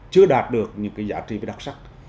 chưa đạt được những cái giá trị đặc sắc